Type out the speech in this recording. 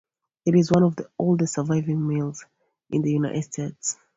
It is one of the oldest surviving mills in the United States.